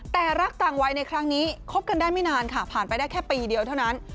แต่รักต่างวัยในครั้งนี้คบกันได้ไม่นานค่ะผ่านไปได้แค่ปีเดียวเท่านั้น